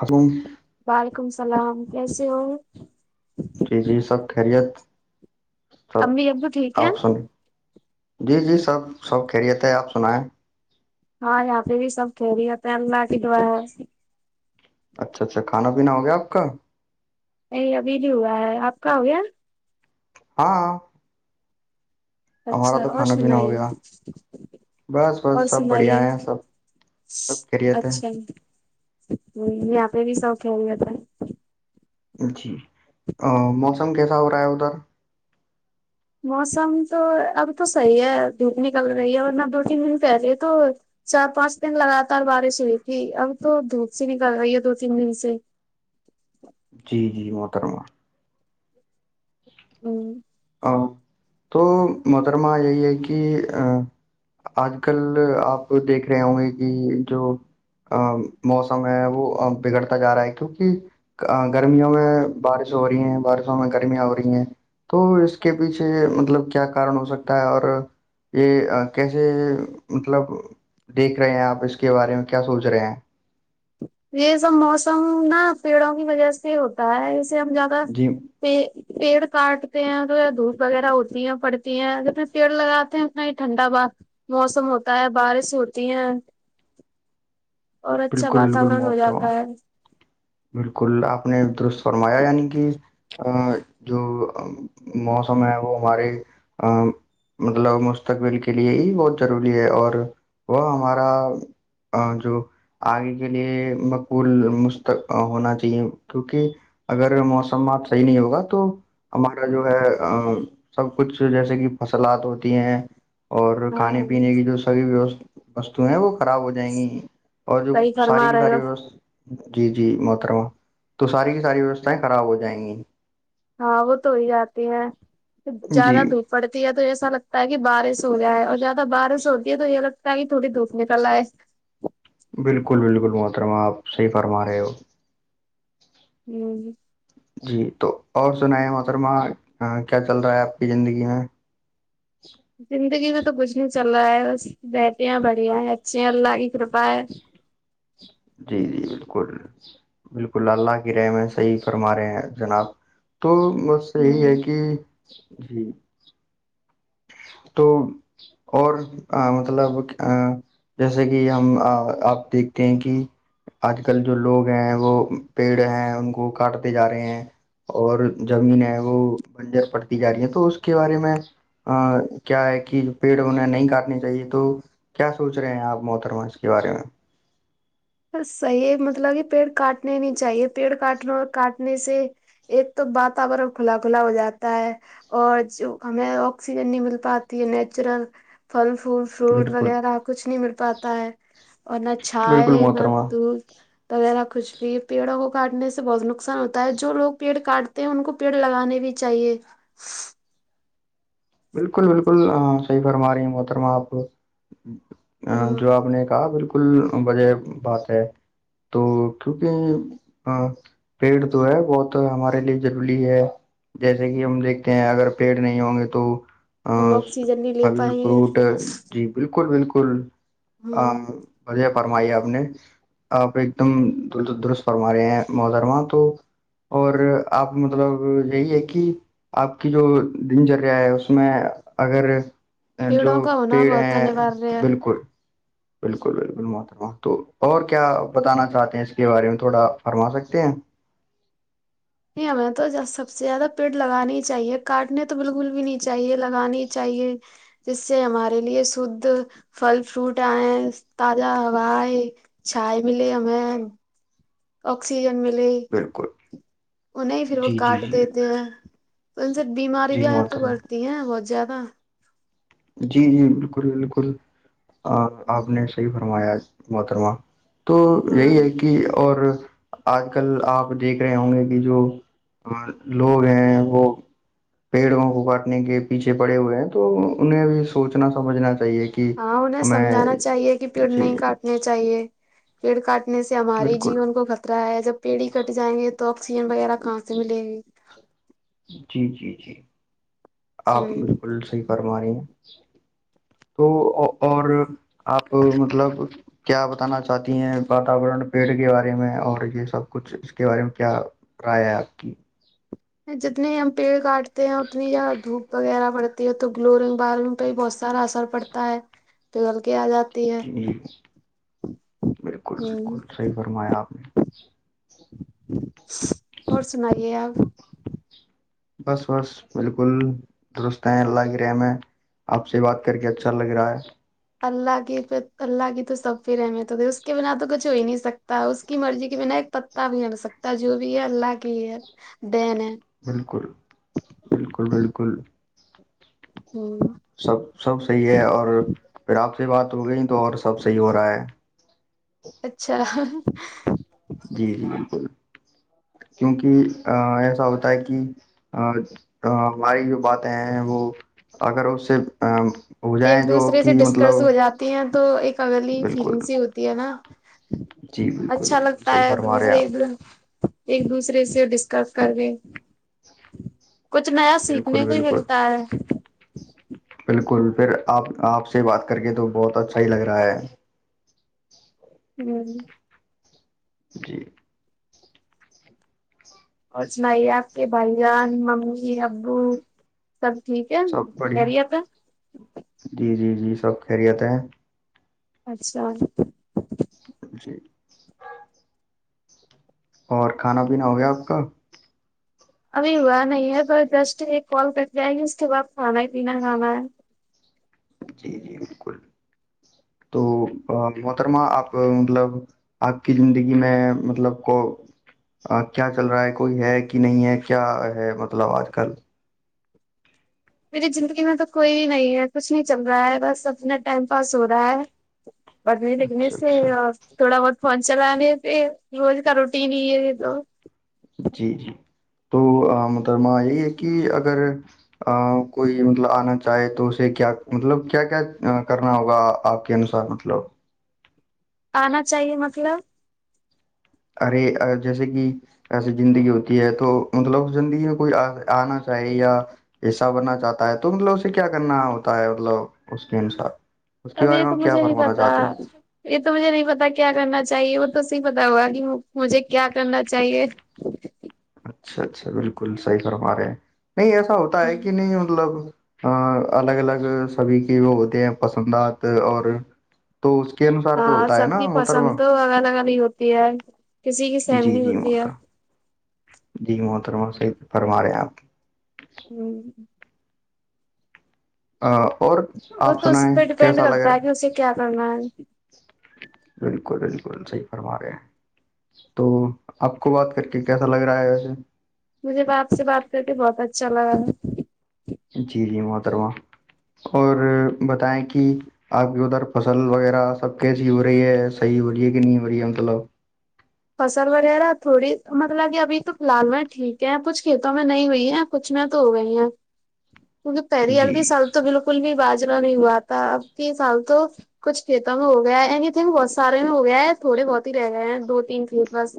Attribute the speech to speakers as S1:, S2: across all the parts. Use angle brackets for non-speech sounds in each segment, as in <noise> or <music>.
S1: اب
S2: وعلیکم السلام کیسے ہوں
S1: جی جی سب خیریت سب
S2: امی ابو ٹھیک ہے
S1: آپ سنی جی جی سب سب خیریت ہے آپ سنائیں
S2: ہاں یہاں پہ بھی سب کھی رہتے انلہا کی
S1: اچھا اچھا کھا پینا ہو گیا آپ کا
S2: یہ ابھی بھی ہوا ہے آپ کا ہو گی
S1: ہاں ہمارا
S2: اچھا
S1: تو
S2: اور
S1: کھانا پینا ہو
S2: سنائیے
S1: گیا بس
S2: اور
S1: بس سب بڑھیا
S2: سنائیے
S1: ہے سب سب خیریت ہے
S2: اچھا یہاں پہ بھی شوق ہے بت
S1: جی موسم کیسا ہو رہا ہے ادھر
S2: موسم تو اب تو صحیح ہے دھوپ نکل رہی ہے ورنہ دو تین دن پہلے تو چار پانچ دن لگاتار بارش ہوئی تھی اب تو دھوپ سی نکل رہی ہے دو تین دن سے
S1: جی جی محترمہ
S2: ہوں
S1: تو مدرمہ یہی ہے کہ ا آج کل آپ دیکھ رہے ہوں گے کہ جو ا موسم ہے وہ بگڑتا جا رہا ہے کیونکہ گرمیوں میں بارش ہو رہی ہیں بارشوں میں گرمیاں ہوی تو اس کے پیچھے مطلب کیا کارن ہو سکتا ہے اور یہ کیسے مطلب دیکھ رہے ہیں آپ اس کے بارے میں کیا سوچ رہے ہیں
S2: یہ سب موسم نا پیڑوں کی وجہ سے ہوتا ہے اسے ہم زیادہ
S1: جی
S2: پ پیڑ کاٹتے ہیں تو دھوپ وغیرہ ہوتی ہے پڑتی ہیں جتنے پیڑ لگاتے ہیں اتنا ہی ٹھنڈا بات موسم ہوتا ہے بارش ہوتی ہیں اور اچھا
S1: بالکل بالکل
S2: واتورن ہو
S1: محترمہ
S2: جاتا ہے
S1: بالکل آپ نے درست فرمایا یعنی کہ ا جو موسم ہے وہ ہمارے ا مطلب مستقبل کے لیے یہ بہت ضروری ہے اور وہ ہمارا جو آگے کے لیے مقبول ہونا چاہیے کیکہ اگر موسم بات صحیح نہیں ہوگا تو ہمارا جو ہے سب کچھ جیسے کہ فصلات ہوتی ہیں اور
S2: ہاں
S1: کھانے
S2: ہاں
S1: پینے کی جو ساری وو وستو ہیں وہ خراب ہو جائیں گی اور جو
S2: صحیح
S1: ساری
S2: فرما
S1: کی
S2: رہے
S1: ساری
S2: ہو
S1: و جی جی محترما تو ساری کی ساری ویوستھائیں خراب ہو جائیں گی
S2: ہاں وہ تو ہی جاتی ہیں
S1: جی
S2: زیادہ دھپ پڑتی ہے تو ایسا لگتا ہے کہ بارش ہو جائے اور زیادہ بارش ہوتی ہے تو یہ لگتا ہے کہ تھوڑی دھوپ نکل آئے
S1: بالکل بالکل محترما آپ صحی فرما رہے ہو
S2: ہوں
S1: جی تو اور سنیں محترمہ کیا چل رہا ہے آپ کی زندگی میں
S2: زندگی میں تو کچھ نہیں چل رہا ہے بس بہتےے ہیں بڑھیا ہے اچھے ہیں اللہ کی کرپا ہے
S1: جی جی بالکل بالکل اللہ کی رحم صحیح فرما رہے ہیں جناب تو بس یہی ہے
S2: ہوں
S1: کہ جی تو اور مطلب ا جیسے کہ ہم آپ دیکھتے ہیں کہ آج کل جو لوگ ہیں وہ پیڑ ہیں ان کو کاٹتے جا رہے ہیں اور زمین ہے وہ بنجر پڑتی جا رہی ہے تو اس کے بارے میں ا کیا ہے کہ پیڑ انہیں نہیں کاٹنے چاہیے تو کیا سوچ رہے ہیں آپ محترما اس کے بارے میں
S2: صحیح مطلب کہ پیڑ کاٹنے نہیں چاہیے پیڑ کاٹنا اور کاٹنے سے ایک تو واتورن کھلا کھلا ہو جاتا ہے اور جو ہمیں آکسیجن نہیں مل پاتی ہے نیچرل پھل فول فروٹ
S1: بالکل
S2: وغیرہ کچھ نہیں مل پاتا ہے اور نہ
S1: بالکل
S2: چھائے نہ
S1: محترما
S2: دودھ وغیرہ کچھ بھی پیڑوں کو کاٹنے سے بہت نقصان ہوتا ہے جو لوگ پیڑ کاٹتے ہیں ان کو پیڑ لگانے بھی چاہیے
S1: بالکل بالکل صحی فرم آ رہی بترم آپ ا
S2: ہ
S1: جو آپ نے کہا بالکل وجہ بات ہے تو کیونکہ ہاں پیڑ جو ہے بہت ہمارے لیے ضروری ہے جیسے کہ ہم دیکھتے ہیں اگر پیڑ نہیں ہوں گے تو
S2: ہم آکسیجن نہیں لے
S1: پھل
S2: پائیں گے
S1: فروٹ جی بالکل بالکل
S2: ہوں
S1: بیا فرمائی آپ نے آپ ایک دم درست فرما رہے ہیں محرماں تو اور آپ مطلب یہی ہے کہ آپ کی جو دن چریا ہے اس اس میں اگر جو
S2: پیڑوں کا ہونا
S1: پیڑ
S2: بہت
S1: ہے
S2: انواریہ ہے
S1: بالکل بالکل بالکل محترمہا تو اور کیا بتانا چاہتے ہیں اس کے بارے میں تھوڑا فرما سکتے ہیں
S2: نہیں ہمیں تو سب سے زیادہ پیڑ لگانے ہی چاہیے کاٹنے تو بالکل بھی نہیں چاہیے لگانا ہی چاہیے جس سے ہمارے لیے شھ پھل فروٹ آئے تازہ ہوا چائے ملے ہمیں آکسیجن ملے
S1: بالکل
S2: وہ نہیں پھر وہ
S1: جی جی
S2: کاٹ
S1: جی
S2: دیتے ہیں تو ان سے بیماری
S1: جی
S2: بھی تو
S1: محترمہ
S2: بڑتی ہے بہت زیادہ
S1: جی جی بالکل بالکل آپ نے صحیح فرمایا محترمہ تو یہی ہے
S2: ہاں
S1: کہ اور آج کل آپ دیکھ رہے ہوں گے کہ جو لوگ ہیں وہ پیڑوں کو کاٹنے کے پیچھے پڑے ہوئے ہیں تو انہیں بھی سوچنا سمجھنا چاہیے کہ
S2: ہاں انہیں
S1: ہمیں
S2: سمجھانا چاہیے کہ پیڑ
S1: جی
S2: نہیں کاٹ چاہیے پیڑ کاٹنے سے ہمارے
S1: بالکل
S2: جیون کو خطرہ ہے جب پیڑھی کٹ جائیں گے تو آکسیجن وغیرہ کہاں سے ملے گی
S1: جی جی جی آپ بالکل صحیح فرما رہی ہیں تو اور آپ مطلب کیا بتانا چاہتی ہیں واتورن پیڑ کے بارے میں اور یہ سب کچھ اس کے بارے میں کیا کرائے آپ کی
S2: جتنی ہم پیڑ کاٹتے ہیں اتنی یا دھوپ وغیرہ پڑتی ہے تو گلورنگ بارگ پہ بھی بہت سارا اثر پڑتا ہے پگل کے آ جات
S1: جی بالکل
S2: ہ
S1: بالکل صحیح فرمایا آپ نے
S2: اور سنائیے آپ
S1: بس بس بالکل درست ہیں اللہ کی رحم ہے آپ سے بات کر کے اچھا لگ رہا ہے
S2: اللہ کی پ اللہ کی تو سب پھر رحمیت ہو اس کے بنا تو کچھ ہو ہی نہیں سکتا اس کی مرضی کے بنا ایک تا بھی ہ سکتا جو بھی ہے اللہ کی ہی ہے دن ہے
S1: بالکل بالکل بالکل
S2: ھمم
S1: سب سب صحیح ہے اور پھر آپ سے بات ہو گئی تو اور سب صحیح ہو رہا ہے
S2: اچھا
S1: جی جی بالکل کیونکہ ایسا ہوتا ہے کہ ہماری جو باتیں ہیں وہ اگر اس سے ہو
S2: ایک
S1: جائیں جو
S2: دوسرے
S1: کہ
S2: سے
S1: مطلب
S2: ڈسکرس ہو جاتی ہیں تو ایک اگلی
S1: بالکل
S2: فیلنگ س ہی ہوتی ہے نا
S1: جی بالکل
S2: اچھا
S1: بالکل
S2: لگتا
S1: صحیح
S2: ہے
S1: فرما رہے ہیں
S2: مے
S1: آپ
S2: ایک دن ایک دوسرے سے ڈسکس کر کے کچھ نیا
S1: بالکل
S2: سیکھنے کو
S1: بالکل
S2: ملتا ہے
S1: بالکل پھر آپ آپ سے بات کر کے تو بہت اچھا ہی لگ رہا ہے
S2: ھمم
S1: جی
S2: اور سنائیے آپ کے بھائی جان ممی ابو سب ٹھیک ہے
S1: سب بڑھیا
S2: ارییاپ <unintelligible>
S1: جی جی جی سب خیریت ہے
S2: اچھا
S1: جی اور کھانا پینا ہو گیا آپ کا
S2: ابھی ہوا نہیں ہے تو جسٹ ایک کال کرٹ جائے گی اس کے بعد کھانا ہی پینا کھانا ہے
S1: جی جی بالکل تو محترما آپ مطلب آپ کی زندگی میں مطلب کو کیا چل رہا ہے کوئی ہے کہ نہیں ہے کیا ہے مطلب آج کل
S2: میری زندگی میں تو کوئی نہیں ہے کچھ نہیں چل رہا ہے بس اپنا ٹائم پاس ہو رہا ہے بت نہیں لیک نہیں
S1: اچھا
S2: سے
S1: اچھا
S2: تھوڑا بہت فون چلانے پ روز کا روٹین ہی ہے یہ تو
S1: جی جی تو مترمہ یہی ہے کہ اگر کوئی مطلب آنا چاہے تو اسے کیا مطلب کیا کیا کرنا ہوگا آپ کے انوسار مطلب
S2: آنا چاہیے مطلب
S1: ارے جیسے کہ ایسی زندگی ہوتی ہے تو مطلب زندگی میں کوئی آنا چاہے یا حصہ بننا چاہتا ہے تو مطلب اسے کیا کرنا ہوتا ہے مطلب اس کے انسار اس کے
S2: اب
S1: بارے
S2: یہ
S1: میں
S2: تو
S1: ہم کیا
S2: مجھے نہیں
S1: فرمانا
S2: پتا
S1: چاہتے ہیں
S2: یہ تو مجھے نہیں پتا کیا کرنا چاہیے وہ تو صی پتا ہوا کہ مجھے کیا کرنا چاہیے ہ
S1: اچھا اچھا بالکل صحیح فرما رہے ہیں نہیں ایسا ہوتا ہے کہ نہیں مطلب ہ الگ الگ سبھی کے وہ ہوتے ہیں پسندات اور تو اس کے انوسار تو
S2: ہاں
S1: ہوتا ہے
S2: سب
S1: نا
S2: کی پسند
S1: محترما
S2: تو الگ الگ ہی ہوتی ہے کسی کی سیم
S1: جی
S2: نہیں
S1: جی
S2: ہوتی ہے
S1: محترم جی محترمہ صح سے فرماے ہیں آپ
S2: ہوں
S1: ہ اور
S2: وہ
S1: آپ
S2: تو اس
S1: سنیں
S2: پہ ڈیپینڈ
S1: کیسا لگ
S2: کرتا
S1: رہا
S2: ہے کہ اسے کیا کرنا ہے
S1: بالکل بالکل صحی فرما رہے ہیں تو آپ کو بات کر کے کیسا لگ رہا ہے ویسے
S2: مجھے باپ سے بات کرتے بہت اچھا لگا
S1: جی جی محترواں اور بتائیں کہ آپ کی ادھر فصل وغیرہ سب کیسی ہو رہی ہے صحیح ہو رہی ہے کہ نہیں ہو رہی ہے مطلب
S2: فصل وغیرہ تھوڑی مطلب کہ ابھی تو فی الحال میں ٹھیک ہے کچھ کھیتوں میں نہیں ہوئی ہے کچھ میںں تو ہو گئی ہیں کیونکہ پہری الوھی
S1: جی
S2: سال تو بو کل بھی باجرا نہیں ہوا تھا اب کی سام تو کچھ کھیتوں میں ہو گیا ہے ا تھنک بہت سارے میں ہو گیا ہے تھوڑے بہت ہی رہ گئے ہیں دو تین ف بس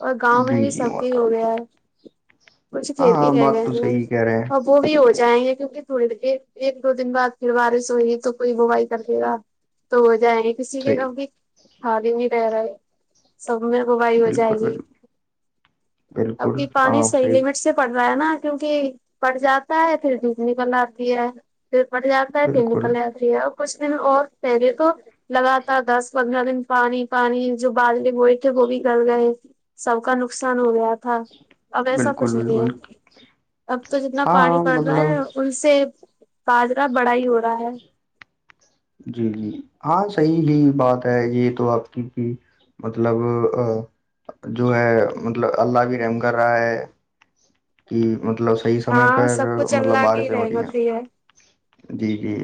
S2: اور گاؤں
S1: جی
S2: میں بھی
S1: جی
S2: سب کے ہو
S1: محترم
S2: گیا ہے پچھ
S1: ہاں ہاں
S2: کھیتی ہے
S1: بات تو
S2: گ
S1: صحیح کہہ رہے ہیں
S2: ہب بھی ہو جائیں گے کیونکہ تھوڑی ایک دو دن بعد پھر بارش ہوئی تو کوئی بوائی کر لے گا تو ہو جائیں گے کسی کے
S1: صحیح
S2: گم کی کھا بھی نہیں رہ رہے سب میں ببائی ہو
S1: بالکل
S2: جائے گی
S1: بال
S2: اب
S1: بالکل
S2: کہ پانی
S1: ہاں
S2: صحیح لمٹ سے پڑ رہا ہے نا کیونکہ پٹ جاتا ہے پھر ج نکل آتی ہے پھر پٹ جاتا ہے پھر
S1: بالکل
S2: نکل آ اور کچھ دن اور پہلے تو لگاتار دس پندرہ دن پانی پانی جو بالٹی وہئے تھے وہ بھی کر گئے سب کا نقصان ہو گیا تھا اب ایسا کچھ
S1: بالکل
S2: نہیں ہے
S1: بالکل
S2: اب تو جتنا
S1: ہاں
S2: پانی
S1: ہاں،
S2: پڑ رہا
S1: مطلب
S2: ہے ان سے باجرا بڑا ہی ہو رہا ہے
S1: جی جی ہاں صحیح ہی بات ہے یہ تو آپ کی کہ مطلب جو ہے مطلب اللہ بھی رحم کر رہا ہے کہ مطلب صحیح سمے
S2: ہاں
S1: پر
S2: سب کچھ
S1: مطلب
S2: اللہ کی
S1: بارشیں ہو رہی ہیں
S2: رحمت ہی ہے
S1: جی جی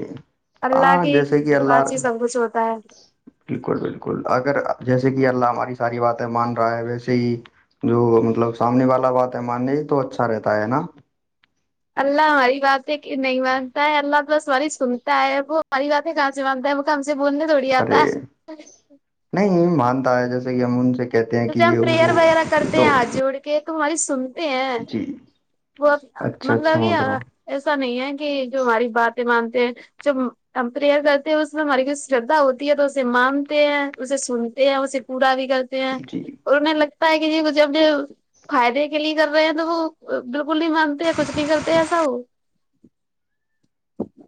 S1: ہاں جیسے
S2: اس
S1: کہ
S2: بعد
S1: اللہ
S2: ہی سب کچھ ہوتا ہے
S1: بالکل بالکل اگر جیسے کہ اللہ ہماری ساری باتیں مان رہا ہے ویسے ہی جو مطلب سامنے والا بات ہے ماننے تو اچھا رہتا ہے نا
S2: اللہ ہماری باتیں نہیں مانتا ہے اللہ بس ہماری سنتا ہے وہ ہماری باتیںان منتا ہے م ہم سے بولنے تھوڑی
S1: ارے
S2: آتا ہے
S1: نہیں مانتا ہے جیسے کہ امن سے کہتے ہیں
S2: تو
S1: کہ
S2: پھر ہم
S1: یہ
S2: پریئر
S1: وہ
S2: وغیرہ کرتے
S1: تو
S2: ہیں ہاتھ جو اڑ کے تمہاری سن ہیں
S1: جی
S2: وہ
S1: اچھا اچھا
S2: مطلب یہ
S1: محترم
S2: ایسا نہیں ہے کہ جو ہماری باتیں مانتے ہیں ج کمپیئر کرتے ہیں اس ہماری شردھا ہوتی ہے تو اسے مانتے ہیں اسے سنتے ہیں اسے پورا بھیل
S1: جی
S2: اور انہیں لگتا ہے کہ یہ جب یہ فائدے کے لیے کر رہے ہیں تو وہ بالکل نہیں مانتے ہیں کچھ نہیں کرتے ایسا وہ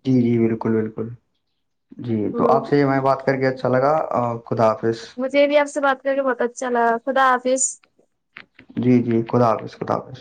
S1: جی جی بالکل بالکل جی تو
S2: ہ
S1: آپ سے میں بات کر کے اچھا اچھا لگا خدافظ
S2: مجھے یہ بھی آپ سے بات کر کے بہت اچھا لگا خدا حافظ
S1: جی جی خدا حاظ خدا حافظ